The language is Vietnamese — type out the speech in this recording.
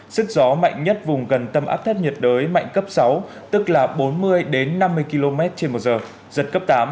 sức gió mạnh nhất vùng gần tâm áp thấp nhiệt đới mạnh cấp sáu tức là bốn mươi năm mươi km trên một giờ giật cấp tám